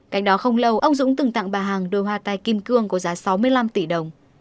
cạnh đó không lâu ông dũng từng tặng bà hàng đôi hoa tai kim cương có giá sáu mươi năm tỷ đồng